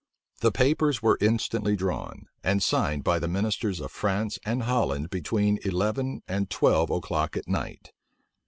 The papers were instantly drawn, and signed by the ministers of France and Holland between eleven and twelve o'clock at night.